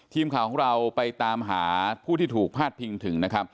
ทีมข่าวของเราไปตามหาผู้ที่ถูกพาดพิงถึงนะครับ